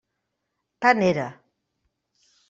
Tant era.